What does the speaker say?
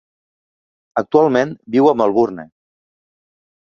Actualment viu a Melbourne.